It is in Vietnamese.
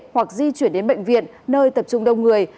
hoặc di chuyển đến bệnh viện nơi tập trung đông người